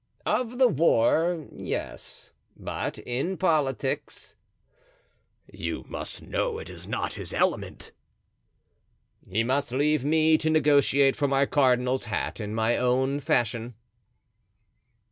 "Of the war, yes, but in politics——" "You must know it is not his element." "He must leave me to negotiate for my cardinal's hat in my own fashion."